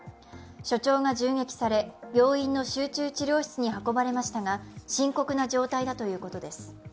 所長が銃撃され、病院の集中治療室に運ばれましたが、深刻な状態だということです。